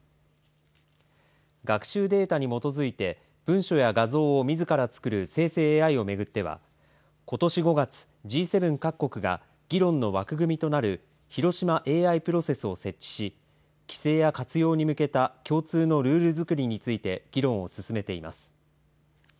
学習データに基づいて文書や画像をみずから作る生成ＡＩを巡ってはことし５月、Ｇ７各国が議論の枠組みとなる広島ＡＩプロセスを設置し規制や活用に向けた共通のルールづくりについて議論を進めています。